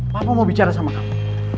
bapak mau bicara sama kamu